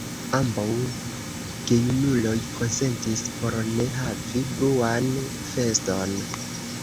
Ambaŭ gejunuloj konsentis por ne havi bruan feston.